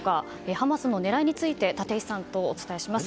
ハマスの狙いについて立石さんと、お伝えします。